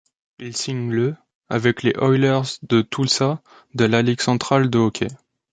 Il signe le avec les Oilers de Tulsa de la Ligue centrale de hockey.